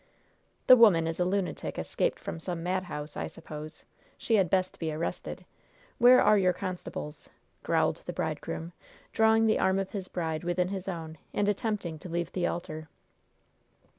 "The woman is a lunatic escaped from some madhouse, I suppose. She had best be arrested. Where are your constables?" growled the bridegroom, drawing the arm of his bride within his own and attempting to leave the altar.